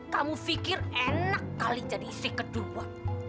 kamu fikir enak kali jadi isi kedua